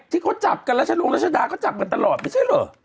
ที่เขาจับกันรัชรวงรัชดาเขาจับกันตลอดไม่ใช่เหรอ